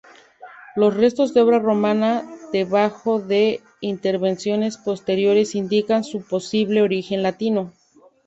Los restos de obra romana debajo de intervenciones posteriores indican su posible origen latino.